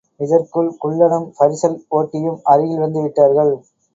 இதற்குள் குள்ளனும் பரிசல் ஓட்டியும் அருகில் வந்து விட்டார்கள்.